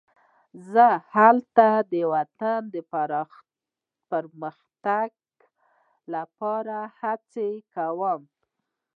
زه تل د وطن د پرمختګ لپاره هڅه کوم.